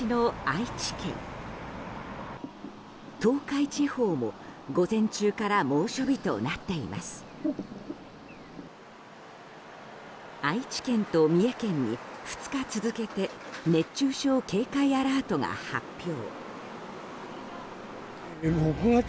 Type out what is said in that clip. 愛知県と三重県に２日続けて熱中症警戒アラートが発表。